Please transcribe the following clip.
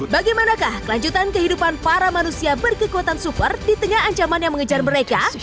bagaimanakah kelanjutan kehidupan para manusia berkekuatan super di tengah ancaman yang mengejar mereka